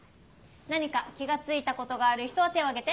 何か気が付いたことがある人は手を挙げて。